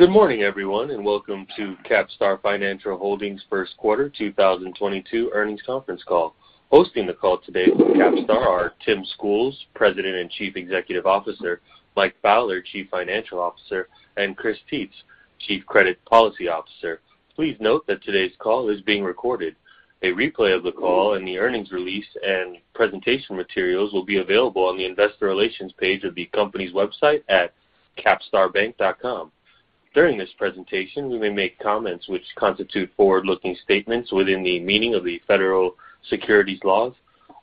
Good morning, everyone, and welcome to CapStar Financial Holdings' first quarter 2022 earnings conference call. Hosting the call today with CapStar are Tim Schools, President and Chief Executive Officer, Mike Fowler, Chief Financial Officer, and Chris Tietz, Chief Credit Policy Officer. Please note that today's call is being recorded. A replay of the call and the earnings release and presentation materials will be available on the investor relations page of the company's website at capstarbank.com. During this presentation, we may make comments which constitute forward-looking statements within the meaning of the federal securities laws.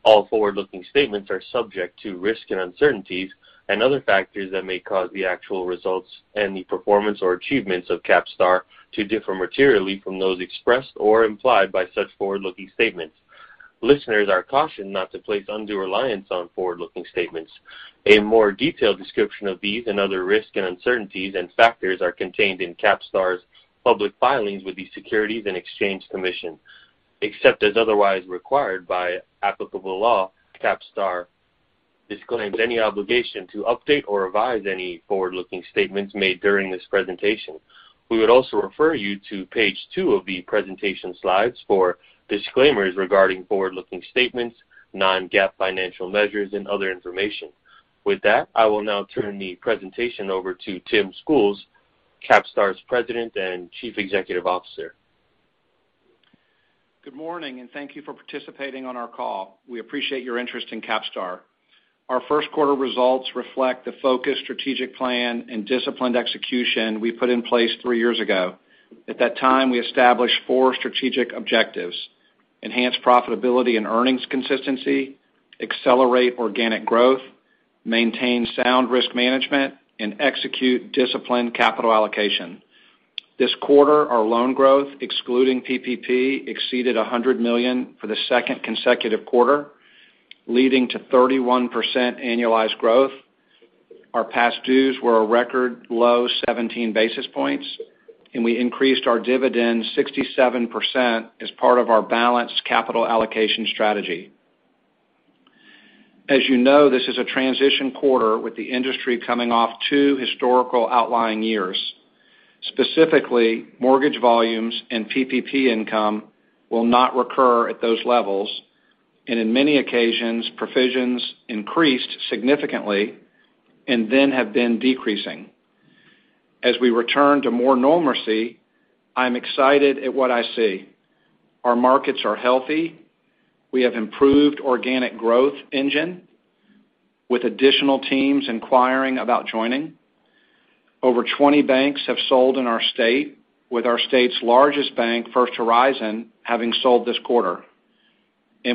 All forward-looking statements are subject to risks and uncertainties and other factors that may cause the actual results and the performance or achievements of CapStar to differ materially from those expressed or implied by such forward-looking statements. Listeners are cautioned not to place undue reliance on forward-looking statements. A more detailed description of these and other risks and uncertainties and factors are contained in CapStar's public filings with the Securities and Exchange Commission. Except as otherwise required by applicable law, CapStar disclaims any obligation to update or revise any forward-looking statements made during this presentation. We would also refer you to page two of the presentation slides for disclaimers regarding forward-looking statements, non-GAAP financial measures and other information. With that, I will now turn the presentation over to Tim Schools, CapStar's President and Chief Executive Officer. Good morning, and thank you for participating on our call. We appreciate your interest in CapStar. Our first quarter results reflect the focused strategic plan and disciplined execution we put in place three years ago. At that time, we established four strategic objectives. Enhance profitability and earnings consistency, accelerate organic growth, maintain sound risk management, and execute disciplined capital allocation. This quarter, our loan growth, excluding PPP, exceeded $100 million for the second consecutive quarter, leading to 31% annualized growth. Our past dues were a record low 17 basis points, and we increased our dividend 67% as part of our balanced capital allocation strategy. As you know, this is a transition quarter with the industry coming off two historical outlier years. Specifically, mortgage volumes and PPP income will not recur at those levels, and in many occasions, provisions increased significantly and then have been decreasing. As we return to more normalcy, I'm excited at what I see. Our markets are healthy. We have improved organic growth engine with additional teams inquiring about joining. Over 20 banks have sold in our state, with our state's largest bank, First Horizon, having sold this quarter.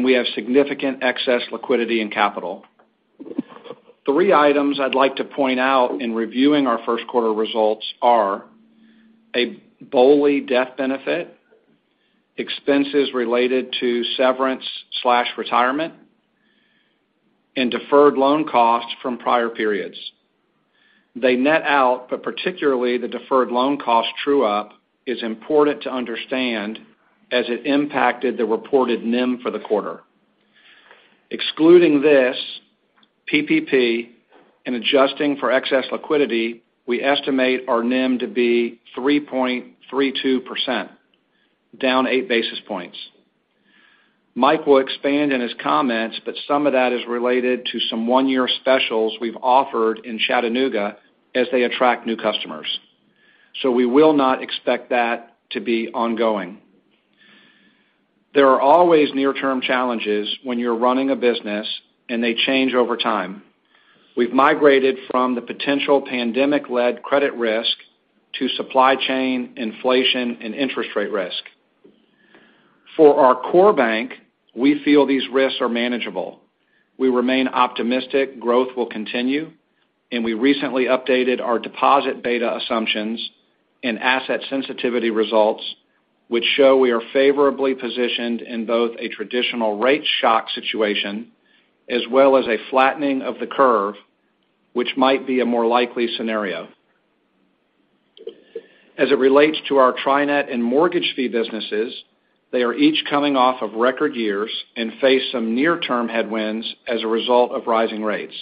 We have significant excess liquidity and capital. Three items I'd like to point out in reviewing our first quarter results are a BOLI death benefit, expenses related to severance/retirement, and deferred loan costs from prior periods. They net out, but particularly the deferred loan cost true-up is important to understand as it impacted the reported NIM for the quarter. Excluding this, PPP, and adjusting for excess liquidity, we estimate our NIM to be 3.32%, down 8 basis points. Mike will expand in his comments, but some of that is related to some one-year specials we've offered in Chattanooga as they attract new customers. We will not expect that to be ongoing. There are always near-term challenges when you're running a business, and they change over time. We've migrated from the potential pandemic-led credit risk to supply chain, inflation, and interest rate risk. For our core bank, we feel these risks are manageable. We remain optimistic growth will continue, and we recently updated our deposit beta assumptions and asset sensitivity results, which show we are favorably positioned in both a traditional rate shock situation as well as a flattening of the curve, which might be a more likely scenario. As it relates to our Tri-Net and mortgage fee businesses, they are each coming off of record years and face some near-term headwinds as a result of rising rates.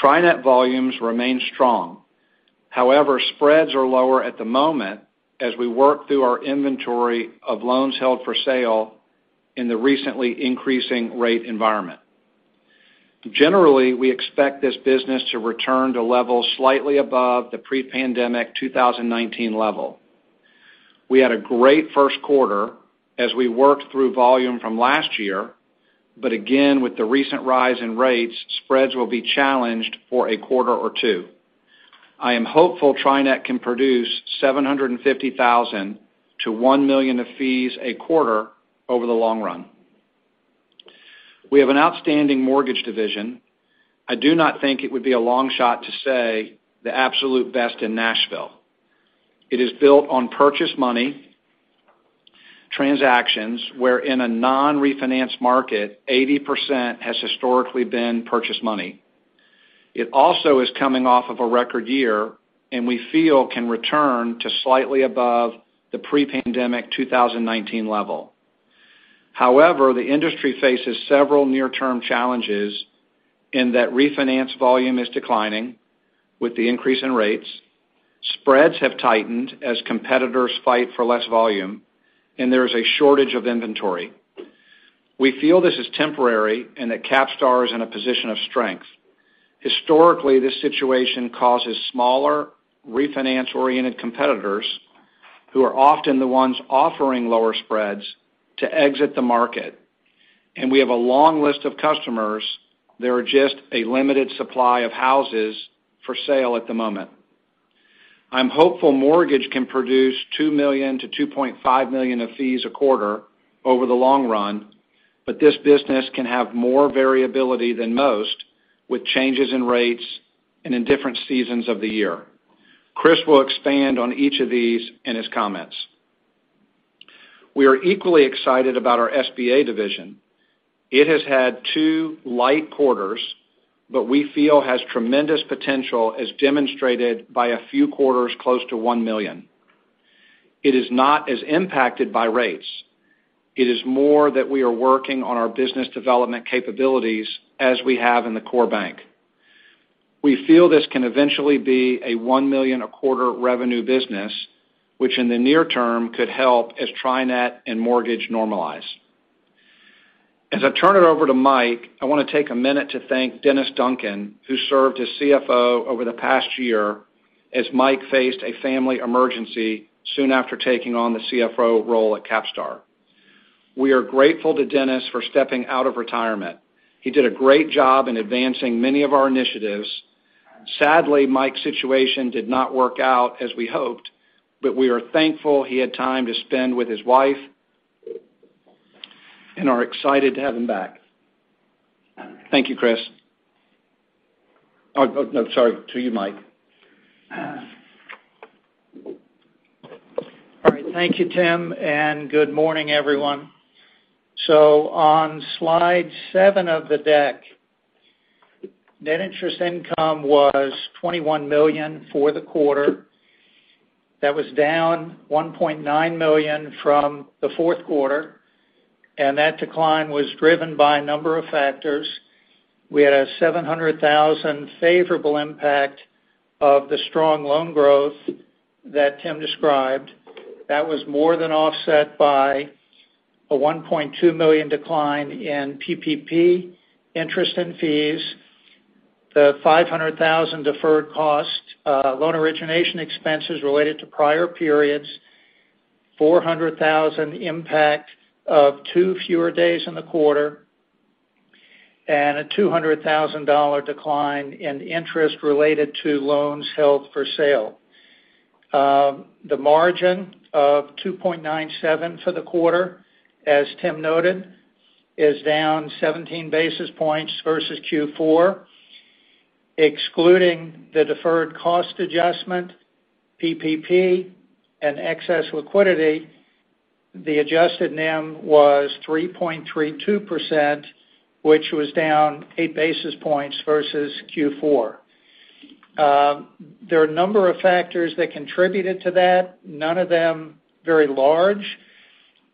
Tri-Net volumes remain strong. However, spreads are lower at the moment as we work through our inventory of loans held for sale in the recently increasing rate environment. Generally, we expect this business to return to levels slightly above the pre-pandemic 2019 level. We had a great first quarter as we worked through volume from last year. But again, with the recent rise in rates, spreads will be challenged for a quarter or two. I am hopeful Tri-Net can produce $750,000-$1 million of fees a quarter over the long run. We have an outstanding mortgage division. I do not think it would be a long shot to say the absolute best in Nashville. It is built on purchase money transactions where in a non-refinance market, 80% has historically been purchase money. It also is coming off of a record year, and we feel can return to slightly above the pre-pandemic 2019 level. However, the industry faces several near-term challenges in that refinance volume is declining with the increase in rates. Spreads have tightened as competitors fight for less volume, and there is a shortage of inventory. We feel this is temporary and that CapStar is in a position of strength. Historically, this situation causes smaller refinance-oriented competitors, who are often the ones offering lower spreads, to exit the market. We have a long list of customers. There are just a limited supply of houses for sale at the moment. I'm hopeful mortgage can produce $2 million-$2.5 million of fees a quarter over the long run, but this business can have more variability than most with changes in rates and in different seasons of the year. Chris will expand on each of these in his comments. We are equally excited about our SBA division. It has had two light quarters, but we feel has tremendous potential as demonstrated by a few quarters close to $1 million. It is not as impacted by rates. It is more that we are working on our business development capabilities as we have in the core bank. We feel this can eventually be a $1 million a quarter revenue business, which in the near term could help as Tri-Net and mortgage normalize. As I turn it over to Mike, I wanna take a minute to thank Denis Duncan, who served as CFO over the past year as Mike faced a family emergency soon after taking on the CFO role at CapStar. We are grateful to Denis Duncan for stepping out of retirement. He did a great job in advancing many of our initiatives. Sadly, Mike's situation did not work out as we hoped, but we are thankful he had time to spend with his wife and are excited to have him back. Thank you, Chris. Oh, no. Sorry. To you, Mike. All right. Thank you, Tim, and good morning, everyone. On slide seven of the deck, net interest income was $21 million for the quarter. That was down $1.9 million from the fourth quarter, and that decline was driven by a number of factors. We had a $700,000 favorable impact of the strong loan growth that Tim described. That was more than offset by a $1.2 million decline in PPP interest and fees, the $500,000 deferred cost loan origination expenses related to prior periods, $400,000 impact of two fewer days in the quarter, and a $200,000 decline in interest related to loans held for sale. The margin of 2.97% for the quarter, as Tim noted, is down 17 basis points versus Q4. Excluding the deferred cost adjustment, PPP, and excess liquidity, the adjusted NIM was 3.32%, which was down 8 basis points versus Q4. There are a number of factors that contributed to that, none of them very large.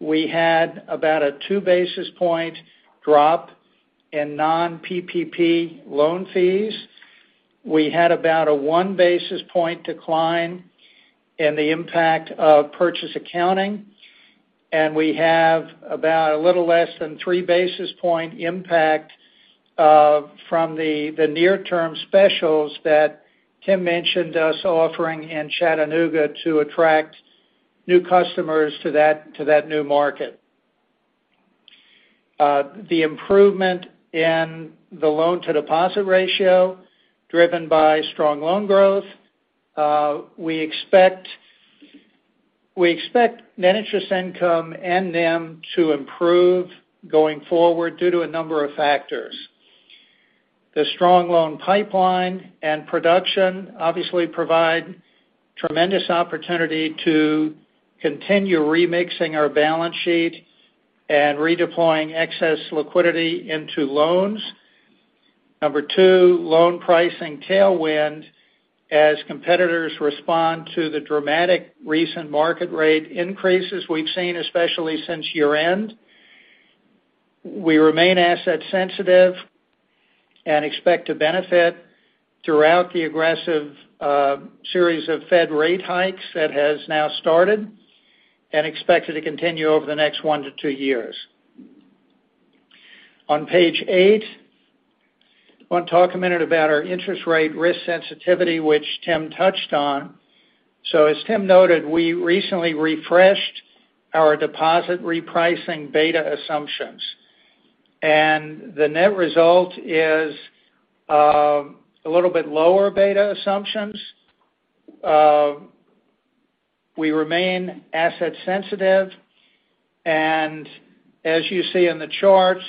We had about a 2 basis point drop in non-PPP loan fees. We had about a 1 basis point decline in the impact of purchase accounting, and we have about a little less than 3 basis point impact from the near-term specials that Tim mentioned us offering in Chattanooga to attract new customers to that new market. The improvement in the loan-to-deposit ratio driven by strong loan growth, we expect net interest income and NIM to improve going forward due to a number of factors. The strong loan pipeline and production obviously provide tremendous opportunity to continue remixing our balance sheet and redeploying excess liquidity into loans. Number two, loan pricing tailwind as competitors respond to the dramatic recent market rate increases we've seen, especially since year-end. We remain asset sensitive and expect to benefit throughout the aggressive series of Fed rate hikes that has now started and expected to continue over the next one to two years. On page eight, wanna talk a minute about our interest rate risk sensitivity, which Tim touched on. As Tim noted, we recently refreshed our deposit repricing beta assumptions, and the net result is a little bit lower beta assumptions. We remain asset sensitive. As you see in the charts,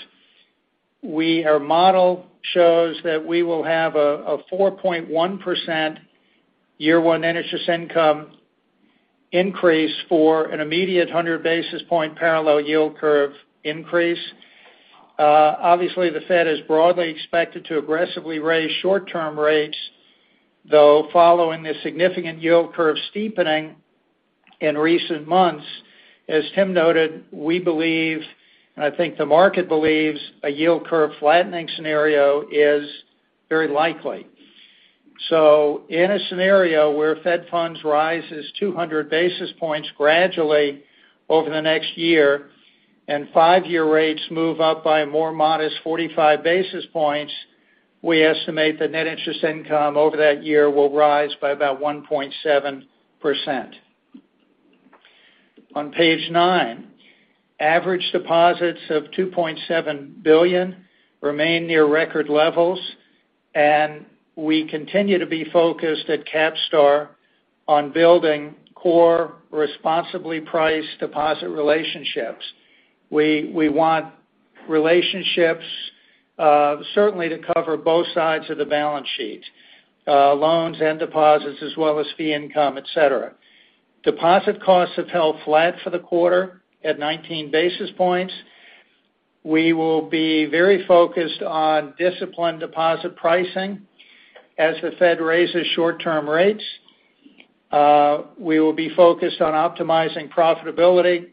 our model shows that we will have a 4.1% year one net interest income increase for an immediate 100 basis point parallel yield curve increase. Obviously, the Fed is broadly expected to aggressively raise short-term rates, though following the significant yield curve steepening in recent months. As Tim noted, we believe, and I think the market believes, a yield curve flattening scenario is very likely. In a scenario where Fed funds rises 200 basis points gradually over the next year and five-year rates move up by a more modest 45 basis points, we estimate the net interest income over that year will rise by about 1.7%. On page nine, average deposits of $2.7 billion remain near record levels, and we continue to be focused at CapStar on building core, responsibly priced deposit relationships. We want relationships certainly to cover both sides of the balance sheet, loans and deposits, as well as fee income, et cetera. Deposit costs have held flat for the quarter at 19 basis points. We will be very focused on disciplined deposit pricing as the Fed raises short-term rates. We will be focused on optimizing profitability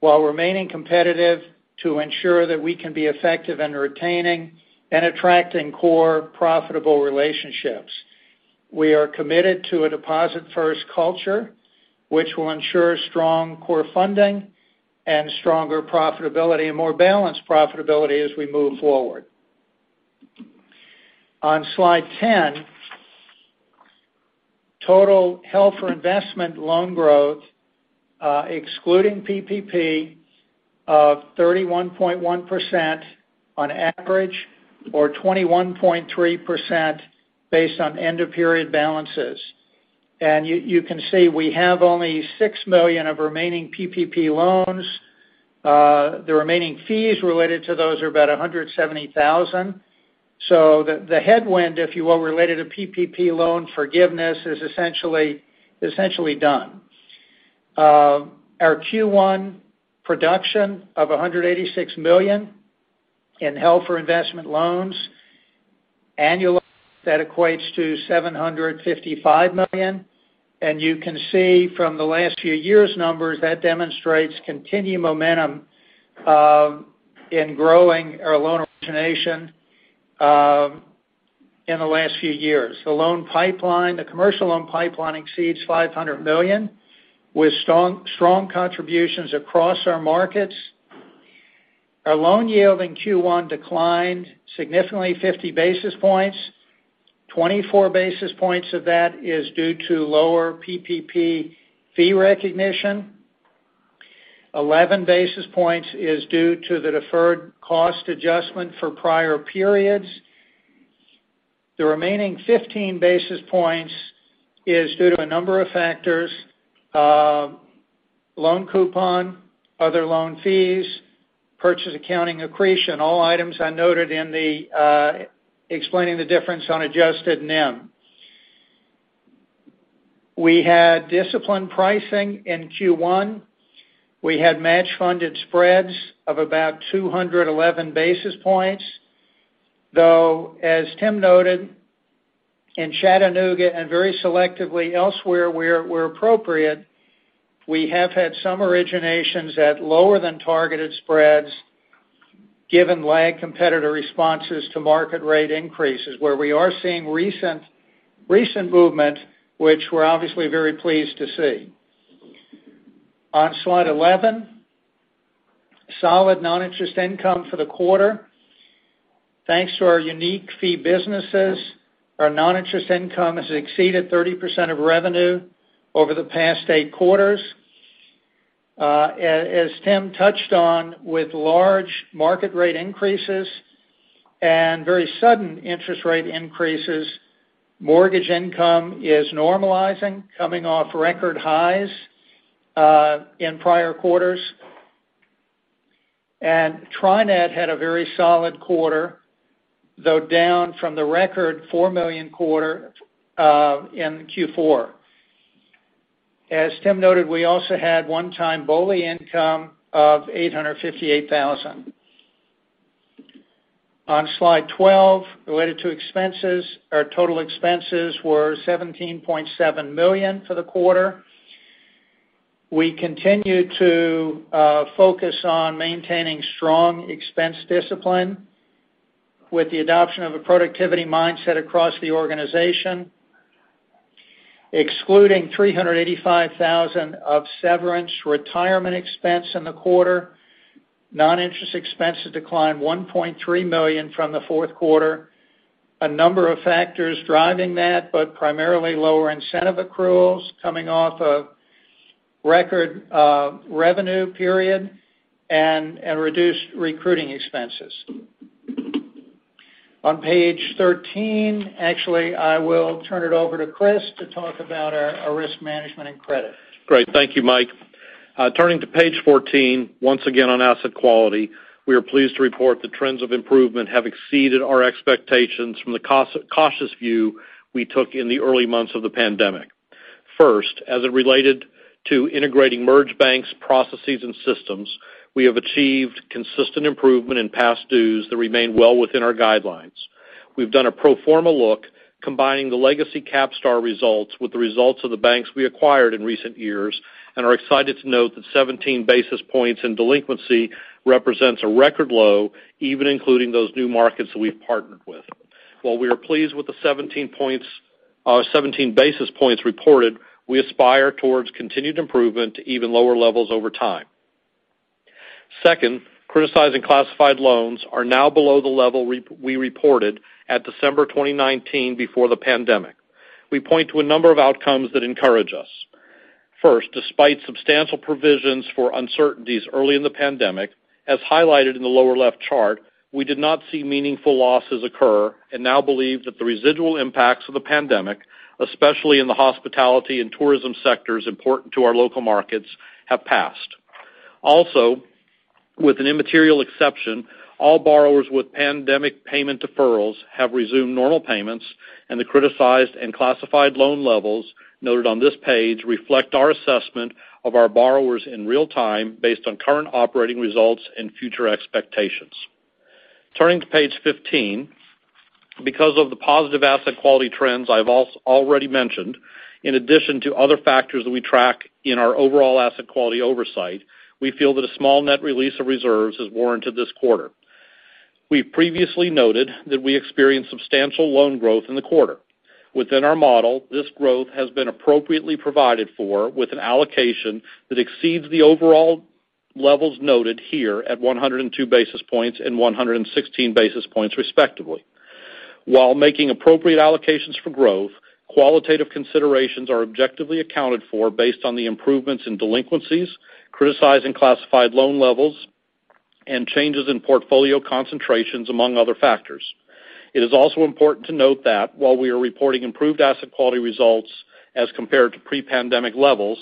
while remaining competitive to ensure that we can be effective in retaining and attracting core profitable relationships. We are committed to a deposit-first culture, which will ensure strong core funding and stronger profitability and more balanced profitability as we move forward. On slide ten, total held-for-investment loan growth, excluding PPP of 31.1% on average or 21.3% based on end of period balances. You can see we have only $6 million of remaining PPP loans. The remaining fees related to those are about $170,000. The headwind, if you will, related to PPP loan forgiveness is essentially done. Our Q1 production of $186 million in held-for-investment loans, annualized, that equates to $755 million. You can see from the last few years' numbers, that demonstrates continued momentum in growing our loan origination in the last few years. The commercial loan pipeline exceeds $500 million with strong contributions across our markets. Our loan yield in Q1 declined significantly 50 basis points. 24 basis points of that is due to lower PPP fee recognition. 11 basis points is due to the deferred cost adjustment for prior periods. The remaining 15 basis points is due to a number of factors, loan coupon, other loan fees, purchase accounting accretion, all items I noted in explaining the difference on adjusted NIM. We had disciplined pricing in Q1. We had match-funded spreads of about 211 basis points. As Tim noted, in Chattanooga and very selectively elsewhere where appropriate, we have had some originations at lower than targeted spreads given lagging competitor responses to market rate increases, where we are seeing recent movement which we're obviously very pleased to see. On slide 11, solid noninterest income for the quarter. Thanks to our unique fee businesses, our noninterest income has exceeded 30% of revenue over the past eight quarters. As Tim touched on, with large market rate increases and very sudden interest rate increases, mortgage income is normalizing, coming off record highs in prior quarters. Tri-Net had a very solid quarter, though down from the record $4 million quarter in Q4. As Tim noted, we also had one-time BOLI income of $858,000. On slide 12, related to expenses, our total expenses were $17.7 million for the quarter. We continue to focus on maintaining strong expense discipline with the adoption of a productivity mindset across the organization. Excluding $385,000 of severance retirement expense in the quarter, non-interest expenses declined $1.3 million from the fourth quarter. A number of factors driving that, but primarily lower incentive accruals coming off a record revenue period and reduced recruiting expenses. On page 13, actually, I will turn it over to Chris to talk about our risk management and credit. Great. Thank you, Mike. Turning to page 14, once again on asset quality, we are pleased to report the trends of improvement have exceeded our expectations from the cautious view we took in the early months of the pandemic. First, as it related to integrating merged banks' processes and systems, we have achieved consistent improvement in past dues that remain well within our guidelines. We've done a pro forma look, combining the legacy CapStar results with the results of the banks we acquired in recent years, and are excited to note that 17 basis points in delinquency represents a record low, even including those new markets that we've partnered with. While we are pleased with the 17 basis points reported, we aspire towards continued improvement to even lower levels over time. Second, criticized and classified loans are now below the level we reported at December 2019 before the pandemic. We point to a number of outcomes that encourage us. First, despite substantial provisions for uncertainties early in the pandemic, as highlighted in the lower-left chart, we did not see meaningful losses occur and now believe that the residual impacts of the pandemic, especially in the hospitality and tourism sectors important to our local markets, have passed. Also, with an immaterial exception, all borrowers with pandemic payment deferrals have resumed normal payments, and the criticized and classified loan levels noted on this page reflect our assessment of our borrowers in real time based on current operating results and future expectations. Turning to page 15, because of the positive asset quality trends I've already mentioned, in addition to other factors that we track in our overall asset quality oversight, we feel that a small net release of reserves is warranted this quarter. We previously noted that we experienced substantial loan growth in the quarter. Within our model, this growth has been appropriately provided for with an allocation that exceeds the overall levels noted here at 102 basis points and 116 basis points, respectively. While making appropriate allocations for growth, qualitative considerations are objectively accounted for based on the improvements in delinquencies, criticized and classified loan levels, and changes in portfolio concentrations, among other factors. It is also important to note that while we are reporting improved asset quality results as compared to pre-pandemic levels,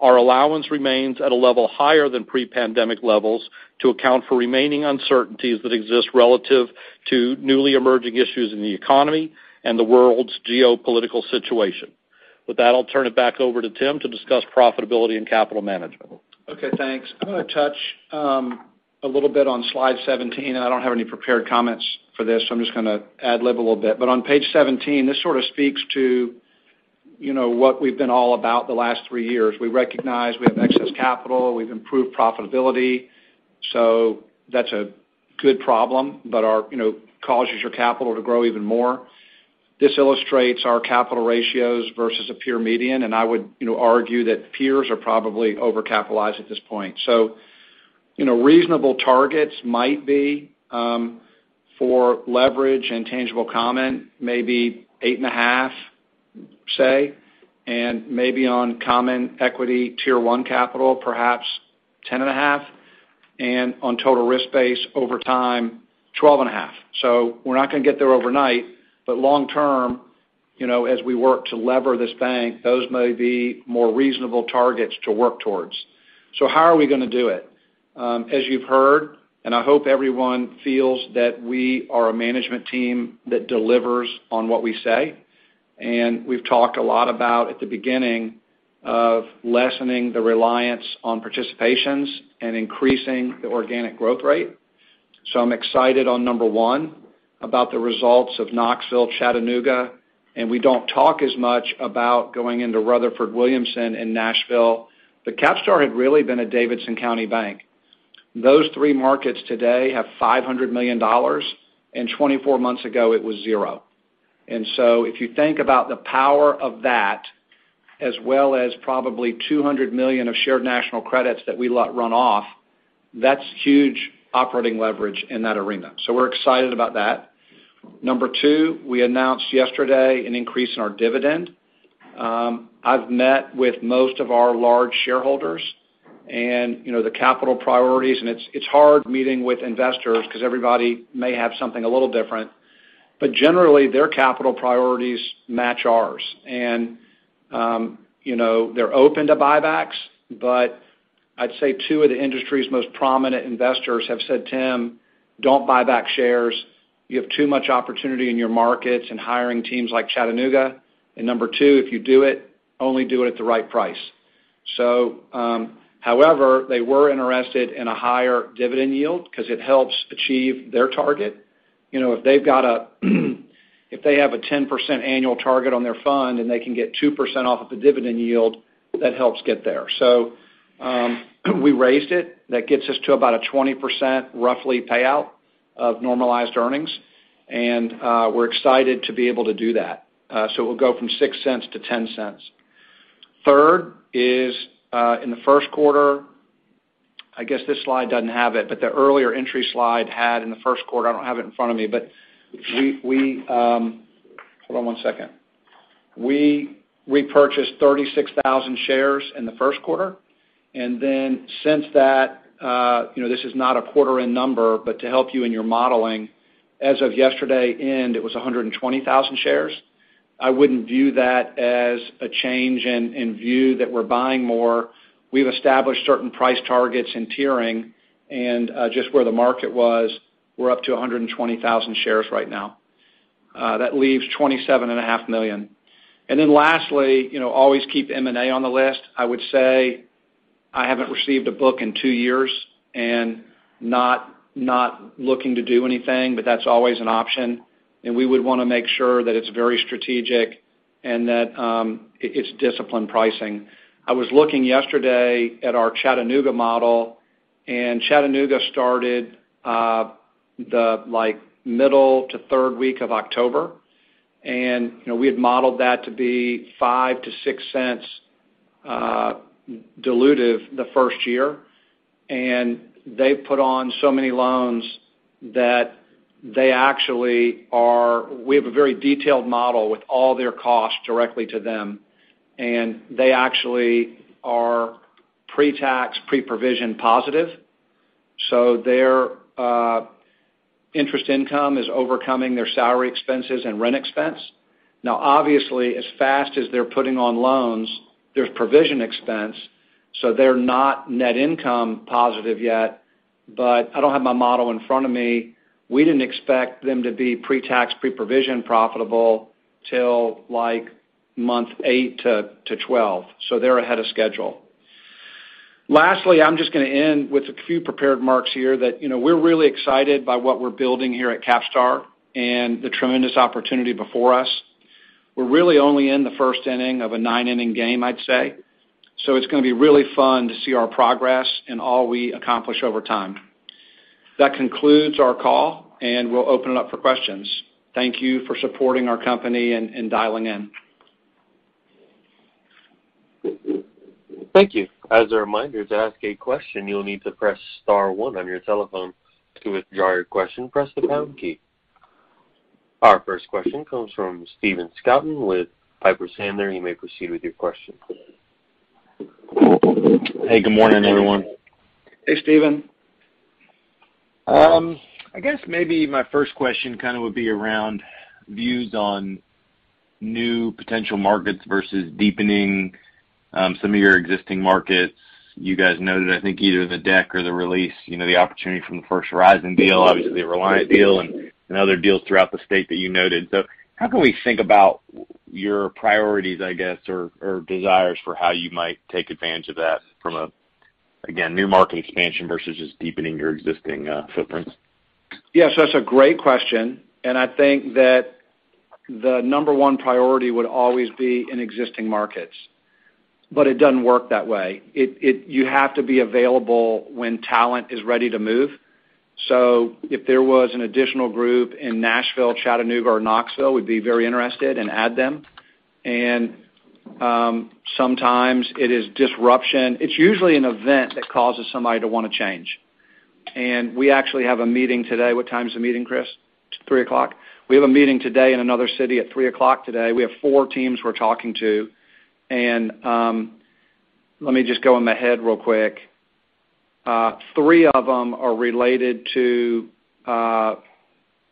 our allowance remains at a level higher than pre-pandemic levels to account for remaining uncertainties that exist relative to newly emerging issues in the economy and the world's geopolitical situation. With that, I'll turn it back over to Tim to discuss profitability and capital management. Okay, thanks. I'm gonna touch a little bit on slide 17, and I don't have any prepared comments for this, so I'm just gonna ad lib a little bit. On page 17, this sort of speaks to, you know, what we've been all about the last three years. We recognize we have excess capital, we've improved profitability, so that's a good problem, but ours, you know, causes capital to grow even more. This illustrates our capital ratios versus a peer median, and I would, you know, argue that peers are probably overcapitalized at this point. You know, reasonable targets might be for leverage and tangible common, maybe 8.5%, say, and maybe on Common Equity Tier 1 capital, perhaps 10.5%, and on total risk-based over time, 12.5%. We're not gonna get there overnight, but long term, you know, as we work to lever this bank, those may be more reasonable targets to work towards. How are we gonna do it? As you've heard, and I hope everyone feels that we are a management team that delivers on what we say, and we've talked a lot about, at the beginning, of lessening the reliance on participations and increasing the organic growth rate. I'm excited on number one about the results of Knoxville, Chattanooga, and we don't talk as much about going into Rutherford Williamson and Nashville, but CapStar had really been a Davidson County bank. Those three markets today have $500 million, and 24 months ago, it was zero. If you think about the power of that, as well as probably $200 million of shared national credits that we let run off, that's huge operating leverage in that arena. We're excited about that. Number two, we announced yesterday an increase in our dividend. I've met with most of our large shareholders and, you know, the capital priorities, and it's hard meeting with investors because everybody may have something a little different. Generally, their capital priorities match ours. You know, they're open to buybacks, but I'd say two of the industry's most prominent investors have said, "Tim, don't buy back shares. You have too much opportunity in your markets and hiring teams like Chattanooga. Number two, "If you do it, only do it at the right price." However, they were interested in a higher dividend yield because it helps achieve their target. You know, if they have a 10% annual target on their fund, and they can get 2% off of the dividend yield, that helps get there. We raised it. That gets us to about a 20%, roughly, payout of normalized earnings, and we're excited to be able to do that. We'll go from $0.06 to $0.10. Third is in the first quarter. I guess this slide doesn't have it, but the earlier entry slide had in the first quarter. I don't have it in front of me, but we. Hold on one second. We repurchased 36,000 shares in the first quarter, and then since that, you know, this is not a quarter-end number, but to help you in your modeling, as of yesterday end, it was 120,000 shares. I wouldn't view that as a change in view that we're buying more. We've established certain price targets in tiering and just where the market was, we're up to 120,000 shares right now. That leaves 27.5 million. Then lastly, you know, always keep M&A on the list. I would say I haven't received a book in two years, and not looking to do anything, but that's always an option. We would wanna make sure that it's very strategic and that it's disciplined pricing. I was looking yesterday at our Chattanooga model, and Chattanooga started the like middle to third week of October. You know, we had modeled that to be 5-6 cents dilutive the first year. They put on so many loans that they actually are. We have a very detailed model with all their costs directly to them, and they actually are pre-tax, pre-provision positive. Their interest income is overcoming their salary expenses and rent expense. Now obviously, as fast as they're putting on loans, there's provision expense, so they're not net income positive yet. I don't have my model in front of me. We didn't expect them to be pre-tax, pre-provision profitable till like month eight to 12, so they're ahead of schedule. Lastly, I'm just gonna end with a few prepared marks here that, you know, we're really excited by what we're building here at CapStar and the tremendous opportunity before us. We're really only in the first inning of a nine-inning game, I'd say. It's gonna be really fun to see our progress and all we accomplish over time. That concludes our call, and we'll open it up for questions. Thank you for supporting our company and dialing in. Thank you. As a reminder, to ask a question, you'll need to press star one on your telephone. To withdraw your question, press the pound key. Our first question comes from Stephen Scouten with Piper Sandler. You may proceed with your question. Hey, good morning, everyone. Hey, Stephen. I guess maybe my first question kind of would be around views on new potential markets versus deepening some of your existing markets. You guys noted, I think either the deck or the release, you know, the opportunity from the First Horizon deal, obviously a Reliant deal and other deals throughout the state that you noted. How can we think about your priorities, I guess, or desires for how you might take advantage of that from a, again, new market expansion versus just deepening your existing footprints? Yeah, that's a great question, and I think that the number one priority would always be in existing markets. It doesn't work that way. It. You have to be available when talent is ready to move. If there was an additional group in Nashville, Chattanooga, or Knoxville, we'd be very interested and add them. Sometimes it is disruption. It's usually an event that causes somebody to wanna change. We actually have a meeting today. What time is the meeting, Chris? 3:00 P.M. We have a meeting today in another city at 3:00 P.M. today. We have 4 teams we're talking to. Let me just go ahead real quick. Three of them are related to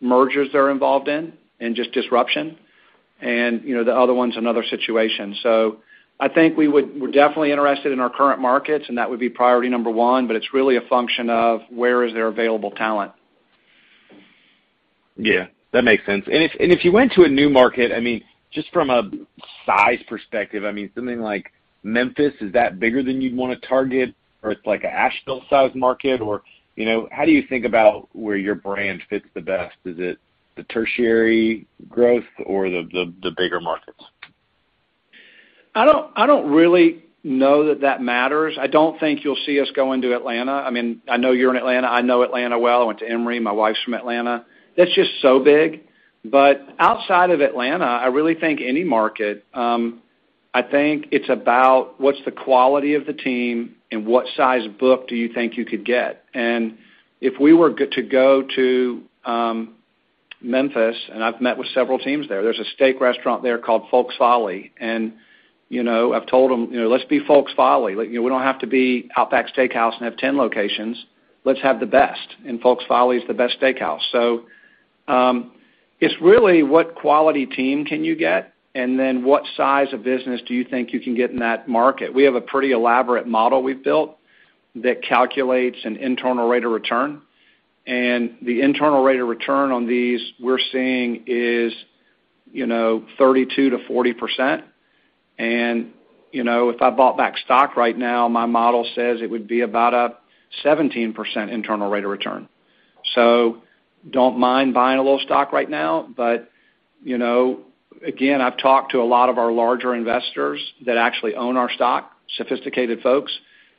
mergers they're involved in and just disruption. You know, the other one's another situation. I think we're definitely interested in our current markets, and that would be priority number one, but it's really a function of where is there available talent. Yeah, that makes sense. If you went to a new market, I mean, just from a size perspective, I mean, something like Memphis, is that bigger than you'd wanna target, or it's like a Asheville-sized market? You know, how do you think about where your brand fits the best? Is it the tertiary growth or the bigger markets? I don't really know that that matters. I don't think you'll see us go into Atlanta. I mean, I know you're in Atlanta. I know Atlanta well. I went to Emory. My wife's from Atlanta. That's just so big. But outside of Atlanta, I really think any market. I think it's about what's the quality of the team and what size book do you think you could get. And if we were to go to Memphis, and I've met with several teams there. There's a steak restaurant there called Folk's Folly, and you know, I've told them, you know, "Let's be Folk's Folly. Like, you know, we don't have to be Outback Steakhouse and have 10 locations. Let's have the best, and Folk's Folly is the best steakhouse." It's really what quality team can you get, and then what size of business do you think you can get in that market? We have a pretty elaborate model we've built that calculates an internal rate of return, and the internal rate of return on these we're seeing is, you know, 32%-40%. You know, if I bought back stock right now, my model says it would be about a 17% internal rate of return. Don't mind buying a little stock right now. You know, again, I've talked to a lot of our larger investors that actually own our stock, sophisticated folks,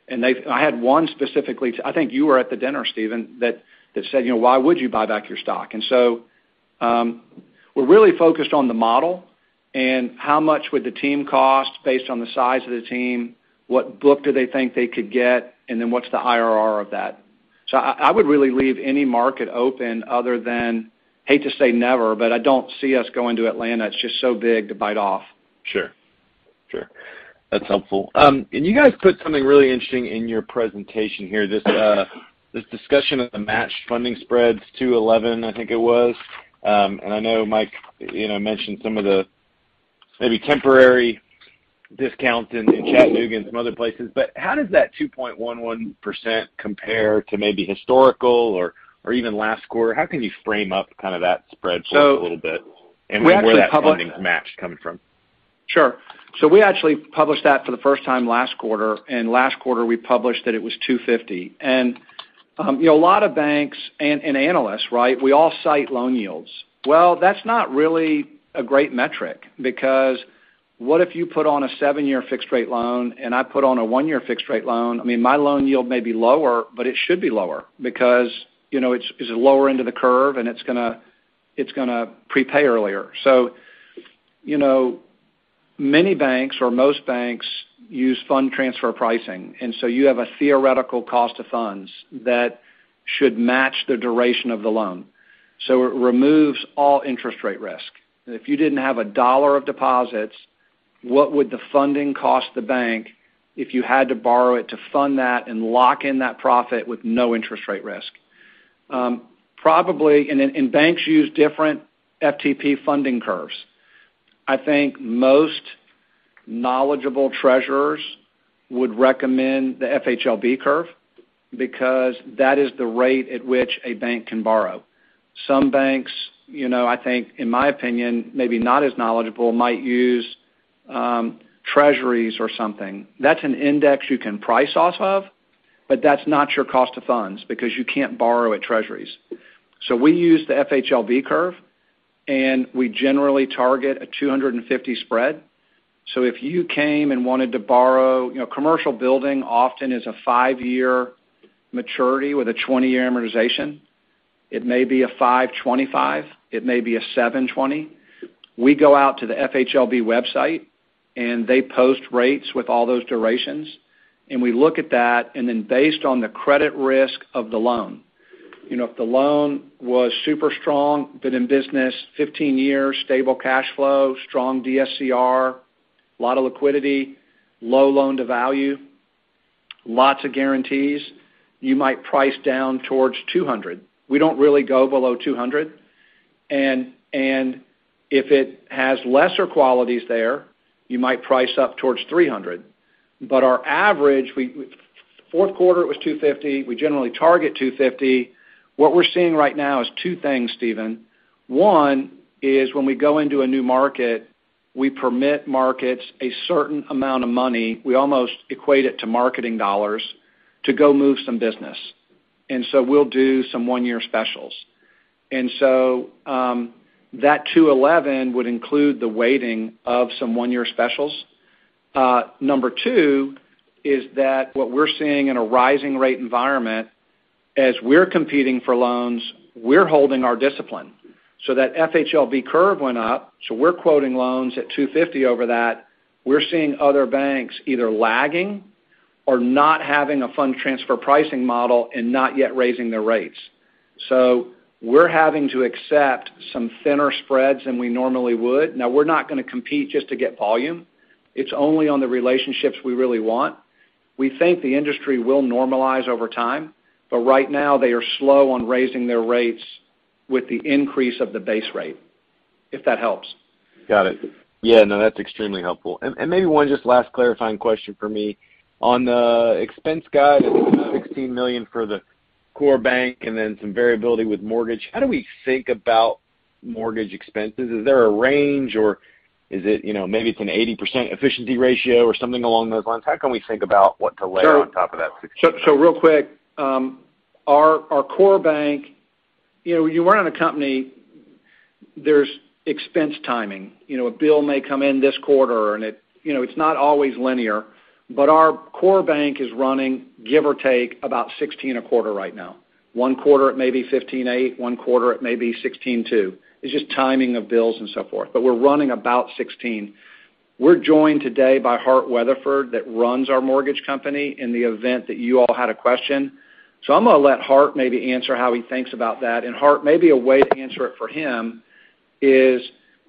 and they've, I had one specifically. I think you were at the dinner, Stephen, that said, you know, "Why would you buy back your stock?" We're really focused on the model and how much would the team cost based on the size of the team, what book do they think they could get, and then what's the IRR of that. I would really leave any market open other than, I hate to say never, but I don't see us going to Atlanta. It's just so big to bite off. Sure. That's helpful. And you guys put something really interesting in your presentation here, this discussion of the matched funding spreads, 2.11, I think it was. And I know Mike, you know, mentioned some of the maybe temporary discount in Chattanooga and some other places. How does that 2.11% compare to maybe historical or even last quarter? How can you frame up kind of that spread for us a little bit? We actually published. Where that funding match is coming from? Sure. We actually published that for the first time last quarter, and last quarter we published that it was 2.50. You know, a lot of banks and analysts, right, we all cite loan yields. Well, that's not really a great metric because what if you put on a seven year fixed rate loan and I put on a one year fixed rate loan? I mean, my loan yield may be lower, but it should be lower because, you know, it's a lower end of the curve and it's gonna prepay earlier. You know, many banks or most banks use fund transfer pricing, and so you have a theoretical cost of funds that should match the duration of the loan. It removes all interest rate risk. If you didn't have $1 of deposits, what would the funding cost the bank if you had to borrow it to fund that and lock in that profit with no interest rate risk? Banks use different FTP funding curves. I think most knowledgeable treasurers would recommend the FHLB curve because that is the rate at which a bank can borrow. Some banks, you know, I think in my opinion, maybe not as knowledgeable, might use treasuries or something. That's an index you can price off of, but that's not your cost of funds because you can't borrow at treasuries. We use the FHLB curve, and we generally target a 250 spread. If you came and wanted to borrow, you know, commercial building often is a five-year maturity with a 20-year amortization. It may be a 525, it may be a 720. We go out to the FHLB website and they post rates with all those durations, and we look at that, and then based on the credit risk of the loan. You know, if the loan was super strong, been in business 15 years, stable cash flow, strong DSCR, lot of liquidity, low loan-to-value, lots of guarantees, you might price down towards 200. We don't really go below 200. If it has lesser qualities there, you might price up towards 300. Our average, fourth quarter it was 250. We generally target 250. What we're seeing right now is two things, Stephen. One is when we go into a new market, we permit markets a certain amount of money, we almost equate it to marketing dollars, to go move some business. We'll do some one-year specials. That 2.11 would include the weighting of some one-year specials. Number two is that what we're seeing in a rising rate environment, as we're competing for loans, we're holding our discipline. That FHLB curve went up, so we're quoting loans at 2.50 over that. We're seeing other banks either lagging or not having a fund transfer pricing model and not yet raising their rates. We're having to accept some thinner spreads than we normally would. Now, we're not gonna compete just to get volume. It's only on the relationships we really want. We think the industry will normalize over time, but right now they are slow on raising their rates with the increase of the base rate, if that helps. Got it. Yeah, no, that's extremely helpful. Maybe one just last clarifying question for me. On the expense guide, I think it was $16 million for the core bank and then some variability with mortgage. How do we think about mortgage expenses? Is there a range or is it, you know, maybe it's an 80% efficiency ratio or something along those lines? How can we think about what to layer on top of that $16 million? Real quick, our core bank. You know, when you run a company, there's expense timing. You know, a bill may come in this quarter and, you know, it's not always linear. Our core bank is running, give or take, about $16 a quarter right now. One quarter it may be 15.8, one quarter it may be 16.2. It's just timing of bills and so forth, but we're running about 16. We're joined today by Hart Weatherford who runs our mortgage company in the event that you all had a question. I'm gonna let Hart maybe answer how he thinks about that. Hart, maybe a way to answer it for him is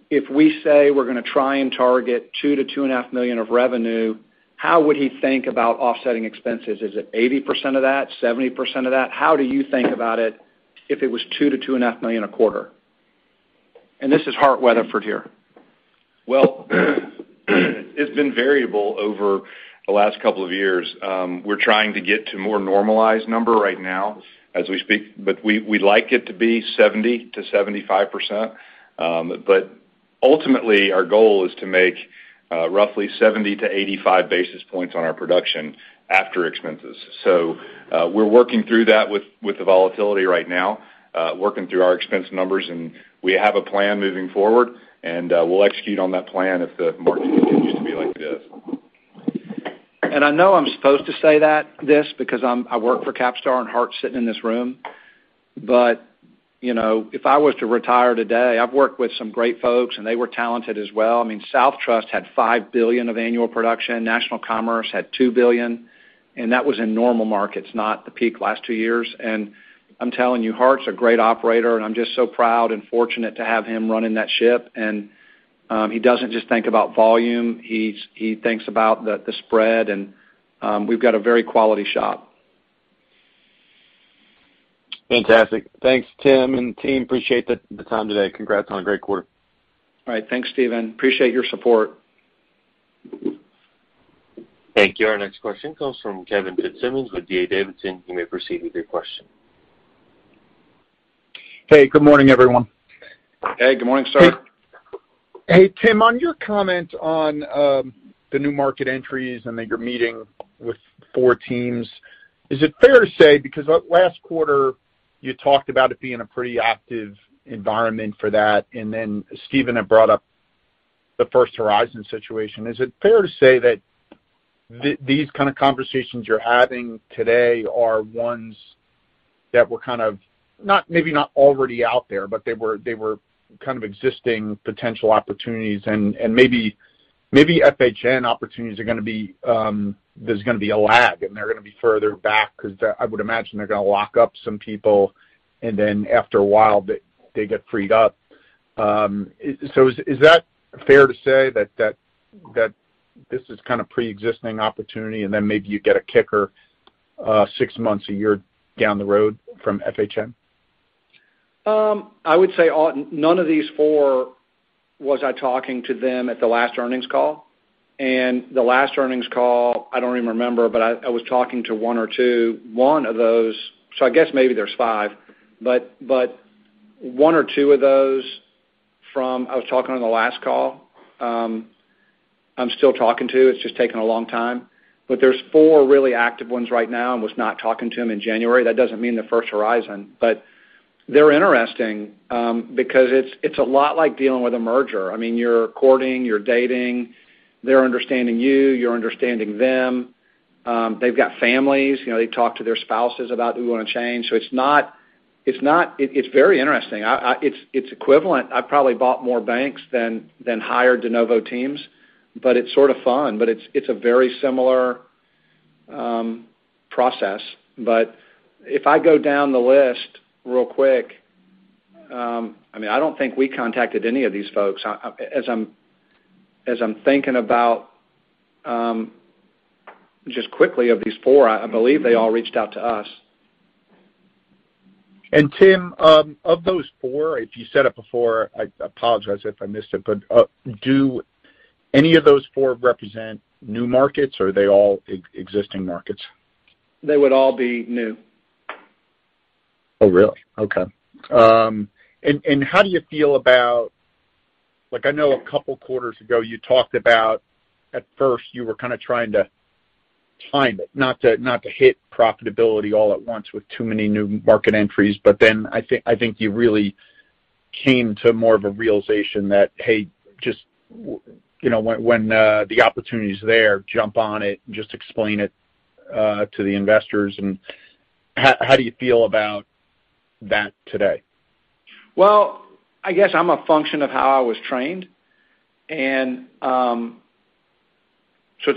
if we say we're gonna try and target $2-$2.5 million of revenue, how would he think about offsetting expenses? Is it 80% of that, 70% of that? How do you think about it if it was $2 million-$2.5 million a quarter? This is Hart Weatherford here. Well, it's been variable over the last couple of years. We're trying to get to more normalized number right now as we speak, but we'd like it to be 70%-75%. But ultimately, our goal is to make roughly 70-85 basis points on our production after expenses. We're working through that with the volatility right now, working through our expense numbers, and we have a plan moving forward, and we'll execute on that plan if the market continues to be like this. I know I'm supposed to say that this because I work for CapStar, and Hart's sitting in this room. You know, if I was to retire today, I've worked with some great folks, and they were talented as well. I mean, SouthTrust had $5 billion of annual production. National Commerce had $2 billion, and that was in normal markets, not the peak last two years. I'm telling you, Hart's a great operator, and I'm just so proud and fortunate to have him running that ship. He doesn't just think about volume. He thinks about the spread, and we've got a very quality shop. Fantastic. Thanks Tim and team. Appreciate the time today. Congrats on a great quarter. All right. Thanks, Stephen. I appreciate your support. Thank you. Our next question comes from Kevin Fitzsimmons with D.A. Davidson. You may proceed with your question. Hey, good morning, everyone. Hey, good morning, sir. Hey, Tim, on your comment on the new market entries and that you're meeting with four teams, is it fair to say because last quarter you talked about it being a pretty active environment for that, and then Stephen had brought up the First Horizon situation. Is it fair to say that these kind of conversations you're having today are ones that were kind of not already out there, but they were kind of existing potential opportunities and maybe FHN opportunities are gonna be there's gonna be a lag, and they're gonna be further back because I would imagine they're gonna lock up some people, and then after a while, they get freed up. Is that fair to say that this is kind of preexisting opportunity, and then maybe you get a kicker, six months, a year down the road from FHN? I would say none of these four was I talking to them at the last earnings call, and the last earnings call, I don't even remember, but I was talking to one or two of those. I guess maybe there's five. One or two of those I was talking on the last call, I'm still talking to. It's just taken a long time. But there's four really active ones right now and was not talking to them in January. That doesn't mean they're First Horizon, but they're interesting, because it's a lot like dealing with a merger. I mean, you're courting, you're dating, they're understanding you're understanding them. They've got families, you know, they talk to their spouses about who want to change. It's not. It's very interesting. It's equivalent. I probably bought more banks than hired de novo teams, but it's sort of fun, but it's a very similar process. If I go down the list real quick, I mean, I don't think we contacted any of these folks. As I'm thinking about just quickly of these four, I believe they all reached out to us. Tim, of those four, if you said it before, I apologize if I missed it, but do any of those four represent new markets, or are they all existing markets? They would all be new. Oh, really? Okay. How do you feel about, like, I know a couple quarters ago you talked about at first you were kind of trying to time it, not to hit profitability all at once with too many new market entries. Then I think you really came to more of a realization that, hey, just you know, when the opportunity is there, jump on it and just explain it to the investors. How do you feel about that today? Well, I guess I'm a function of how I was trained. It's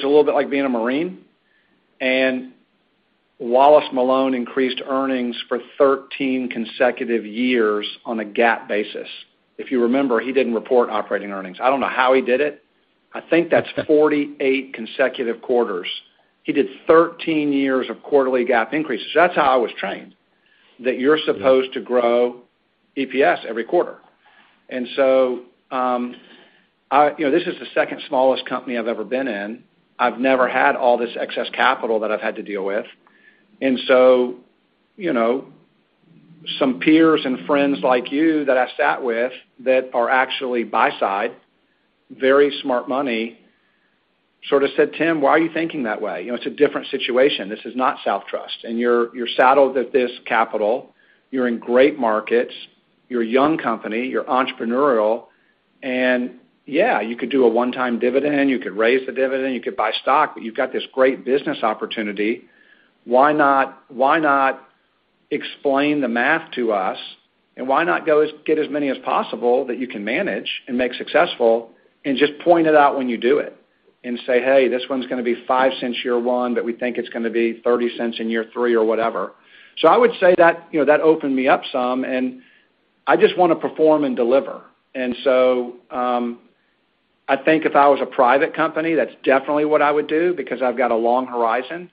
a little bit like being a Marine. Wallace Malone increased earnings for 13 consecutive years on a GAAP basis. If you remember, he didn't report operating earnings. I don't know how he did it. I think that's 48 consecutive quarters. He did 13 years of quarterly GAAP increases. That's how I was trained, that you're supposed to grow EPS every quarter. You know, this is the second smallest company I've ever been in. I've never had all this excess capital that I've had to deal with. You know, some peers and friends like you that I sat with that are actually buy side, very smart money, sort of said, "Tim, why are you thinking that way? You know, it's a different situation. This is not SouthTrust, and you're saddled with this capital. You're in great markets. You're a young company. You're entrepreneurial. Yeah, you could do a one-time dividend, you could raise the dividend, you could buy stock, but you've got this great business opportunity. Why not explain the math to us, and why not get as many as possible that you can manage and make successful and just point it out when you do it and say, "Hey, this one's gonna be $0.05 year one, but we think it's gonna be $0.30 in year three or whatever." I would say that, you know, that opened me up some, and I just wanna perform and deliver. I think if I was a private company, that's definitely what I would do because I've got a long horizon.